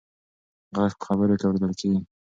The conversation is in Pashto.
غږ په خبرو کې اورېدل کېږي.